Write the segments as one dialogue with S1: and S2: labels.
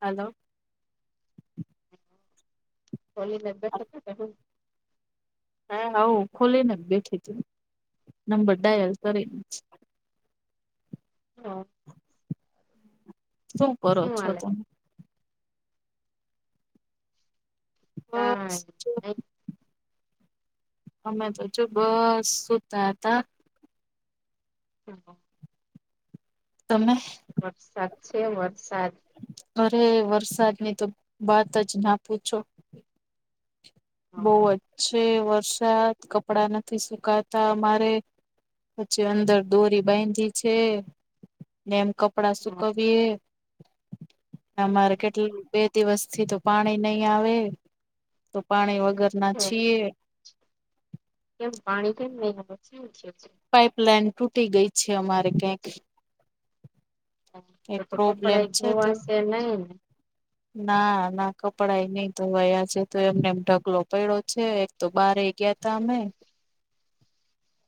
S1: હાલો
S2: [unintelligible]
S1: હા હાવું ખોલીને બેઠી છે. નંબર ડાયલ કરીને
S2: હમ્મ
S1: શું કરો છો તમે?
S2: કાઈ
S1: [unintelligible]
S2: નઈ
S1: અમે તો શું બસ સુતા હતા
S2: [unintelligible]
S1: તમે?
S2: વરસાદ છે વરસાદ
S1: અરે વરસાદની તો વાત જ ના પૂછો. બોઓ જ છેે વરસાદ કપડા નથી સુકાતા અમારે પછી અંદર દોરી બાંયધી છે ને એમ કપ કપડા શુંકવીએ અમારે કેટલા બે દિવસ થી તો પાણી નઈ આવે તો પાણી વગરના છીએ.
S2: કેમ પાણી કેમ નઈ‌ આવે?
S1: પાઈપલાઈન તૂટી ગઈ છે અમારે ક્યાંક.
S2: છે
S1: એ
S2: તો તો
S1: પ્રોબ્લેમ
S2: કપડા
S1: છે તો
S2: ધોવાશે નહી ને
S1: ના ના કપડાએ નઈ ધોવાયા છે તો એમને એમ ઢગલો પડ્યો છે તો બહાર ગયા હતા અમે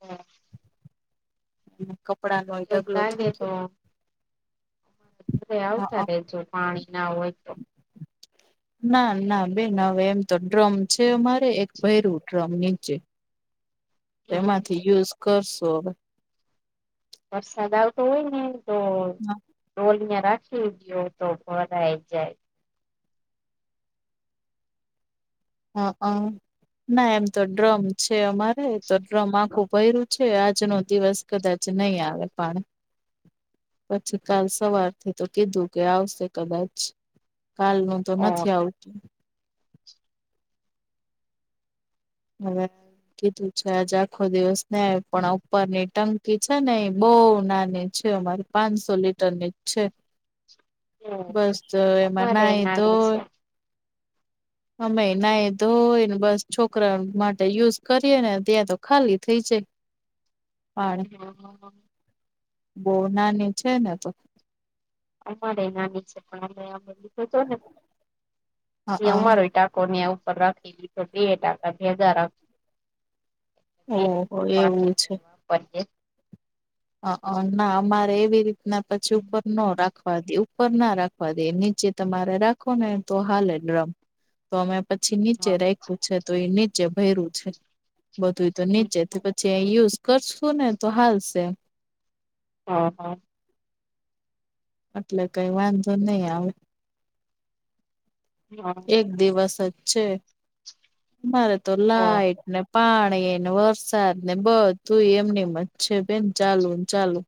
S2: હમ્મ
S1: કપડાનો ઢગલો
S2: લાગે
S1: થઈ
S2: તો
S1: ગયો.
S2: ઘરે આવતા
S1: હા
S2: રેજો પાણી ના હોય તો.
S1: ના ના બેન અવે એમ તો ડ્રમ છે અમારે એક ભયરું ડ્રમ નીચે.
S2: [inaudible]
S1: તો એમાંથી યુઝ કરશો અવે
S2: વરસાદ આવ તો હોય ને તો ડોલ રાખી રાખજો તો ભરાઈ જાય.
S1: હા આ, ના એમ તો ડ્રમ છે અમારે તો ડ્રમ આખું ભર્યું છે આજનો દિવસ કદાચ નઈ આવે પાણી. પછી કાલ સવારથી તો કીધું કે આવશે કદાચ કાલનું તો
S2: ઓ
S1: નથી આવતું. [unintelligible] કીધું છે આજ આખો દિવસ ને પણ ઉપરની ટંકી છે ને એ બોઉ નાની છે અમારી. પાંનસો લીટરની જ છે. બસ તો એમાં
S2: અમારે
S1: નાય
S2: નાની
S1: ધોય
S2: છે
S1: અમે નાય ધોય અને બસ છોકરા માટે યુઝ કરીએ ને ત્યાં તો ખાલી થઈ જાય.
S2: [unintelligible]
S1: બો નાની છે ને તો.
S2: અમારે નાની છે પણ અમે લીધું ને એ
S1: હા
S2: અમારો ટ કોનેયા ઉપર રાખેલી તો બે ટાકા ભેગા રાખ
S1: ઓહો એવું
S2: [unintelligible]
S1: અઅ ના અમારે એવી રીતના પછી ઉપર નો રાખવા દેવ ઉપર ના રાખવા દેમ નીચે તમારે રાખો ને તો હાલે ડ્રમ. તો અમે પછી નીચે
S2: હા
S1: રાખ્યું છે તો એ નીચે ભયર્યું છે. બધું તો નીચેથી પછી યુઝ કરશું ને તો હાલશે.
S2: હ હા.
S1: એટલે કઈ વાંધો નઈ આવે.
S2: હ
S1: એક દિવસ જ છે. મારે તો
S2: હા
S1: લાઈઇટને પાણીને વરસાદ ને બધું એમને એમજ છે બેન ચાલુને ચાલુ.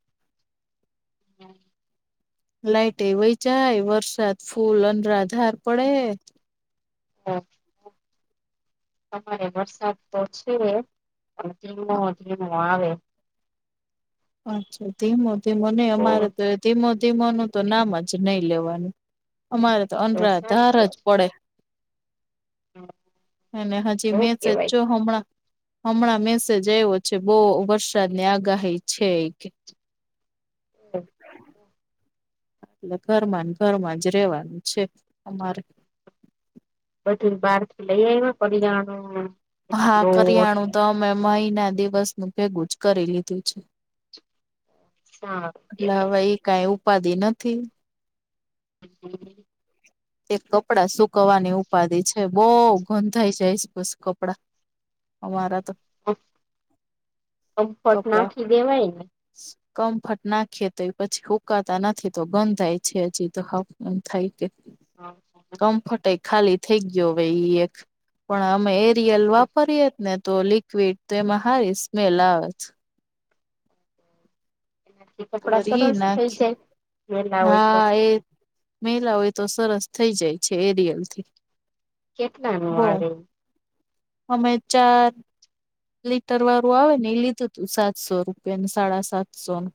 S2: હમ્મ
S1: લાઈટ એ વય જાય વરસાદ ફૂલ અનરા ધાર પડે.
S2: હા! અમારે વરસાદ તો છે, પણ ધીમો ધીમો આવે.
S1: અચ્છા ધીમો ધીમો, નઇ અમારે તો ધીમો ધીમો ન તો નામજ નહી લેવાનું, અમારે તો અનરા ધારજ પડે. એને હજી મેચજ
S2: કેવાય
S1: જો હમણાં. હમણાં મેસેજ આવ્યો છે, બહુ વરસાદની આગાહી છે એ કે.
S2: [unintelligible]
S1: એટલે ઘરમાંન ઘરમાંજ રેવાનું છે અમારે.
S2: બધું બહાર થી લઈ આયવા કરીયાણું?
S1: હા, કરિયાણું તો અમે મહિના, દિવસનું ભેગુંજ કરી લીધું છે.
S2: સારું
S1: એટલે
S2: કેવાય
S1: હવે એ કઈ ઉપાધિ નથી.
S2: [unintelligible]
S1: એક કપડાં સુકવાની ઉપાધિ છે, બહુ ગંધાઈ જાયશ બસ કપડાં. અમારા તો
S2: કમ્ફટ નાખી દેવાય ને.
S1: [unintelligible] કમ્ફટ નાખીએ તોય પછી હુકાતા નથી તો ગંધાય છે, હજી તો હાંફ ગંધાય કે.
S2: [unintelligible]
S1: કમ્ફર્ટ એ ખાલી થઈ ગ્યો હવે ઇ એક, પણ અમે એ રીયલ વાપરીએ જ ને તો લિક્વિડ, તો એમાં હારી સ્મેલ આવેછ.
S2: એનાથી કપડા
S1: વરી
S2: સરસ
S1: નાખી
S2: થઈ જાય મેંલા હોય તો?
S1: મેંલા ઓય તો સરસ થઇ જાય છે, એરિયલ થી.
S2: કેટલાનું
S1: બો
S2: આવે?
S1: અમે ચાર લીટર વારું આવેને એ લીધું તું, સાતસો રૂપિયાનું સાડા સાતસો નું.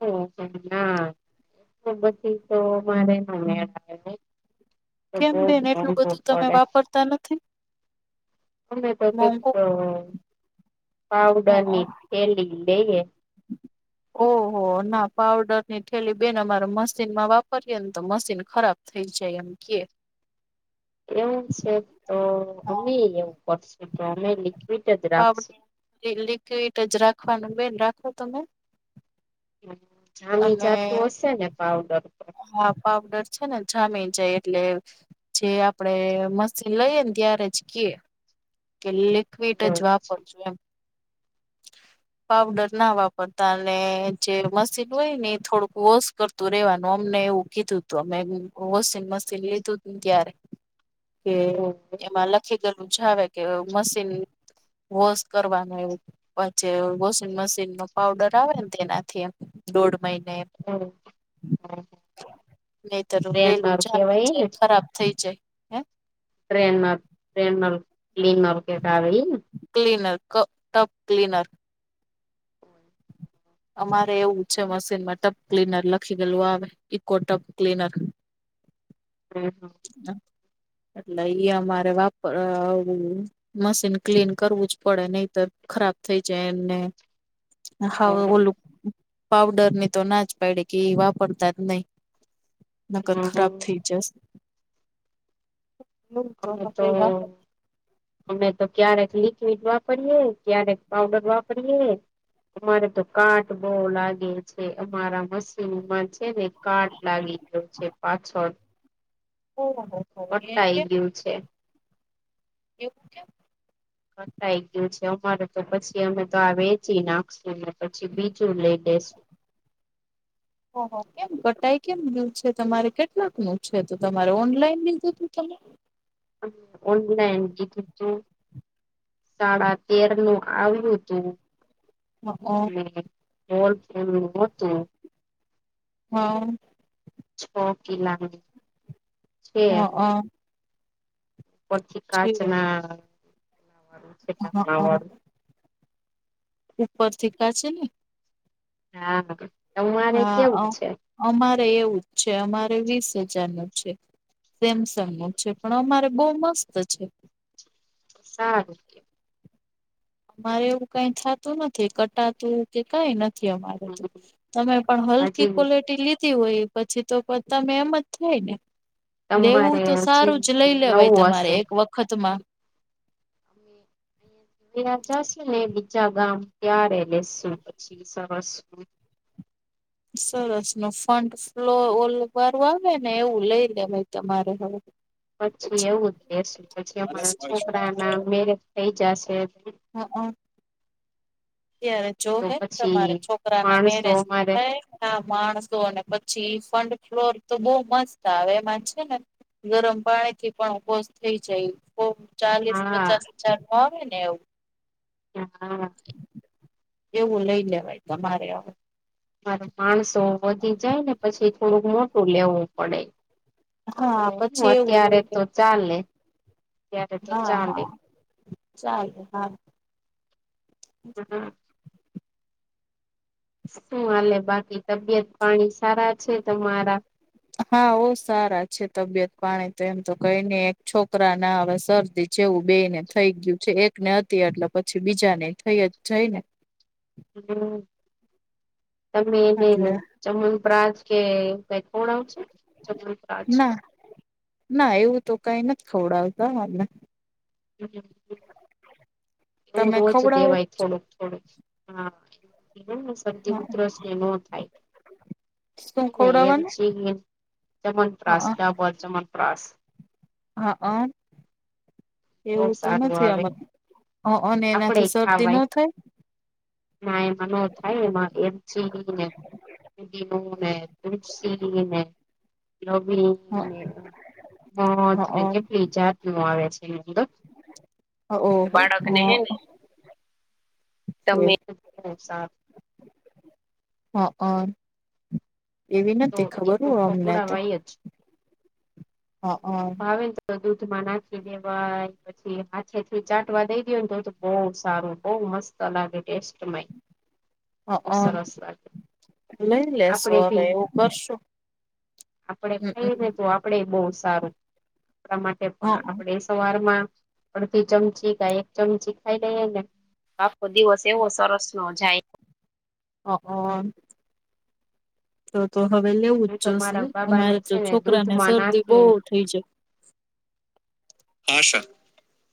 S2: [unintelligible] પછી તો મારેને [unintelligible] તો
S1: કેમ
S2: બઉ
S1: બેન એટલું
S2: મોંઘુ
S1: બધું
S2: પ
S1: તમે
S2: પડે.
S1: વાપરતા નથી
S2: અમને તો તેજ
S1: મોંઘુ
S2: ફાવે. પાવડરની થેલી લઈએ.
S1: ઓહો! ના પાવડર ની ઠેલી બેન અમારે મશીનમાં વાપરીએે ને તો મશીન ખરાબ. થઈ જાય એમ કે.
S2: [inaudible] એવું છે, તો અમે એવું કરશું કે અમે લિક્વિડજ રાખશું.
S1: એ લિક્વિડજ રાખવાનું બેન રાખો તમે.
S2: હમ્મ, જામી
S1: અને
S2: જાતું હશે ને પાવડર તો.
S1: હા પાવડર છે ને જામીન જાય એટલે એ જે આપડે મશીન લઈએને ત્યારે જ કએ કે લીક વીટ જ
S2: એવું
S1: વાપરજો એમ. પાવડર ના વાપરતા, અને જે મસ શિપ હોય ને થોડુંક વોશ કરતું રેવાનું, અમને એવું કીધું હતું, અમે વોશિંગ મશીન લીધુંતુ ક્યારેક કે એમાં લખી ગયેલુંજ આવે કે મશીન વોશ કરવાનું એવું, પછે વોશિંગ મશીન નો પાવડર આવે ને તેનાથી એમ. દોઢ મહિને નહી તર વ રેલું
S2: ટ્રેનર
S1: જામી
S2: કેવાય ને
S1: જાય, ખરાબ થઇ જાય. હે
S2: ટ્રેનર ટ્રેનલ ક્લીનર કેખ આવે ઈને
S1: ક્લીનર ક ટપ ક્લીનર. અમારે એવું છે મશીનમાં, ટબ ક્લીનર લખી ગયેલું આવે, ઇકો ટબ ક્લીનર
S2: હમ્મ હમ્મ
S1: હા એટલે ઈ અમારે વાપર વું મશીન ક્લીન કરવું જ પડે, નહીતર ખરાબ થઈ જાય એમને. હા ઓલું પાવડરની તો નાજ પાયડી કે ઈ વાપરતાં જ નહીં નકર ખરાબ થી
S2: અમે
S1: જસ
S2: અમે તો અમે તો ક્યારેક લિક્વિડ વાપરીએે, ક્યારેક પાઉડર વાપરીએ. અમારે તો કાટ બહુ લાગે છે અમારા મશીનમાં છે ને. કાટ લાગી ગ્યો છે પાછળ.
S1: ઓહો હો હો! એમ
S2: કટાઈ
S1: કેમ?
S2: ગયું છે
S1: એવું કેમ?
S2: [inaudible] કટાઈ ગયું છે અમારે તો પછી અમે તો આ વેચી નાખશું ને પછી બીજું લઈ દેશુ.
S1: ઓહો! કેમ કટાઈ કેમ ગયું છે, તમારે કેટલાકનું છે? તો તમારે ઓનલાઈન લીધું તું તમે?
S2: ઓનલાઈન લીધું તું. સાડા તેરનું આવ્યું તું.
S1: હા
S2: ને હોલસેલનું હતું.
S1: હા.
S2: છો કિલ્લાનું.
S1: હ અ.
S2: પચી કાચના આવે છે
S1: હા
S2: ઢાંકણાવાળું.
S1: ઉપરથી કાચની?
S2: હા બકા.
S1: હા અમ અમારેય એવું જ છે અમારે વીસ હજારનું છે. સેમસંગનું છે પણ અમારે બહુ મસ્ત છે.
S2: સારું કે
S1: અમારે એવું કાઈ થાતું નથી કટાતું કે કાઈ નથ થી અમારે તો તમે પણ હલકી
S2: હજી
S1: ક્વોલટી લી ધી હોય પછી તો પણ તમે એમજ થાય ને. લેવું
S2: તમારે
S1: તો
S2: હજી
S1: સારું જ લઈ લેવાય
S2: નવું
S1: તમારે
S2: હશે
S1: એક વખતમાં.
S2: ત્યાં જાસુને બીજા ગામ ત્યારે લેશુ પછી સરસ.
S1: સરસનું ફન્ટ ફ્લો ઓલું વારું આવેને એવું લઈ લેવાય તમારે હવે.
S2: પછી એવું જ લેશું પછી અમારાં છોકરાના મેરેજ થઈ જાશે.
S1: હ અ. ત્યારે
S2: તો
S1: જોહેન
S2: પછી
S1: તમારે છોકરાના
S2: માણસો
S1: મેરેજ
S2: અમારે
S1: થઈ ગ હા માણસોને પછી ફંડ ફ્લોર તો બહુ મસ્ત આવે એમાં છે ને. ગરમ પાણીથી પણ વોશ થઈ જાય કોક ચાલીસ
S2: હા
S1: પચાસ હજારનું આવે ને એવું.
S2: હા.
S1: એવું લઈ લેવાય તમારે અવે.
S2: તમારે માણસો વધી જાયને પછી થોડુંક મોટું લેવું પડે. તો
S1: હા
S2: હું
S1: પછી એવું
S2: અત્યારે
S1: લઈ લે
S2: તો ચાલે. અત્યારે તો
S1: હા
S2: ચાલે
S1: હા ચાલે હા.
S2: હા. શું હાલે બાકી તબિયત પાણી સારાં છે તમારા?
S1: હા ઓ સારા છે તબિયત પાણી તો એમ તો કંઈ નઈ એક છોકરાના હવે શરદી જેવું બેયને થઈ ગયું છે એકને હતી એટલે પછી બીજાને થઈ અજ જાઈને.
S2: હમ્મ. તમે એને
S1: એટલે
S2: ચમનપ્રાસ કે એવું કાઈ ખવડાવો છો ચવનપ્રાસ?
S1: ના ના એવું તો કાઈ નથ ખવડાવતા એટલે.
S2: [inaudible] એવું
S1: તમે
S2: રોજ
S1: ખવડાવો
S2: દેવાય થોડુંક. થોડુંક હા એ હું શરદી ઉઘરસને નો થાય.
S1: શું
S2: એ
S1: ખવડાવવાનું
S2: છે ચમનપ્રાસ
S1: હા
S2: તા ચમનપ્રાસ
S1: હ અ.
S2: બહુ
S1: એવું તો
S2: સારું
S1: નથી,
S2: આવે
S1: આમ અને
S2: આપડે
S1: એનાથી શરદી ન
S2: ખાવાય
S1: થાય.?
S2: ના એમા નો થાય એમાં એલચી અને [inaudible] હું તુલસી ને લવીંગ,
S1: થાય
S2: મધને
S1: હ
S2: કેટલી જાતનું આવે છે, અંદર ને
S1: ઓહો
S2: બાળકને હેને,? [unintelligible] તમે [inaudible] બહુ સારૂ.
S1: હા હંઅન એવી
S2: તો
S1: નથી
S2: એ
S1: ખબર હો
S2: તો
S1: અમને તો,
S2: ખવડાવાય જ.
S1: હા
S2: ભાવે નેતો દૂધમાં નાખી દેવાય, પછી હાથે થી ચાટવા દઈ દયો નેતો બહુ સારું. બઉ મસ્ત લાગે ટેસ્ટમાંય. [unintelligible] [inaudible] બહુ
S1: હકન,
S2: સરસ લાગે
S1: લઈ લેશો
S2: આપડે
S1: હવે
S2: ભી
S1: એવું કરશું,
S2: આપડે ખાઈ નેતો
S1: હમમ
S2: આપડે બહુ સારું. આપણા માટે પણ આપણે સવારમાં અડધી ચમચી કા એક ચમચી ખાઈ લઈએ ને, આખો દિવસ એવો સરસનો જાય.
S1: હકન, તો તો હવે લેવું
S2: એ
S1: જ
S2: તો
S1: જોશે,
S2: મારા બાબા ને
S1: અમારે તો
S2: છે ને
S1: છોકરાને
S2: દૂધમાં
S1: શરદી બહુ
S2: નાખીને
S1: થઈ છે. હા સર,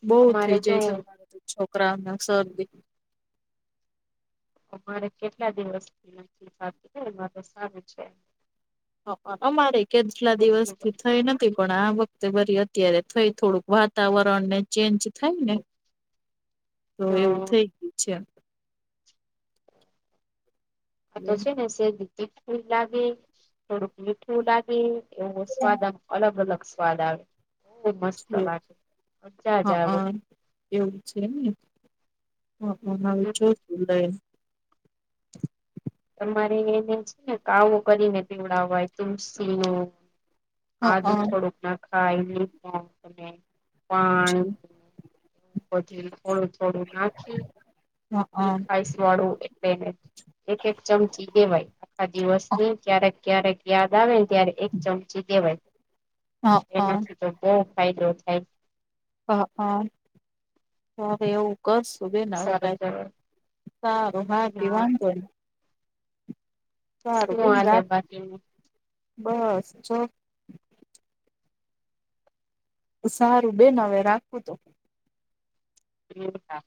S1: બહુ થઇ
S2: અમારે જો
S1: જાય છે, મારે, છોકરાઓને સરદી
S2: અમારે કેટલા દિવસ નથી સા એમાં તો સારું છે,
S1: હ અમારે કેટલા દિવસથી થઈ ને પણ આ વખતે વરી અત્યારે થઈ, થોડુંક વાતાવરણ ને ચેન્જ થાય ને
S2: [inaudible]
S1: તો એવું થઇ ગયું છે.
S2: હં તો છેને સેજ મીઠુ નાખે, થોડુ મીઠુ લાગે એવો સ્વાદ આમ અલગ અલગ સ્વાદ આવે. બ મસ્ત
S1: છે.
S2: લાગે, મજાજ આવે.
S1: હા એવું છે ને હ હ હવે જોશું લઈ ને.
S2: તમારે એને છે ને કાવો કરીને પીવડાવાય તુલસીઓ
S1: હા
S2: આદું
S1: હા
S2: થોડુંક નાખાય, ન [inaudible] પણ ત પાણી પછી થોડું થોડું નાખી.
S1: હા
S2: એક આઈસ વાળું એટલે કે એક એક ચમચી દેવાય આખા દિવસની ક્યારેક ક્યારેક યાદ આવે ત્યારે એક ચમચી દેવાય,
S1: હા
S2: એનાથી તો બહુ ફાયદો થાય.
S1: હ હ હવે એવું. કરશૂ બેન
S2: સારું
S1: હવે,
S2: કહેવાય
S1: હારું હા તો વાન્ધો નઇ. સારું
S2: શું
S1: બેન
S2: હાલે
S1: રાખુ.
S2: બાકી
S1: બસ જો સારું બેન હવે રાખુ તો
S2: હા